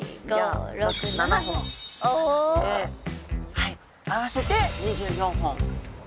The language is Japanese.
はい合わせて２４本。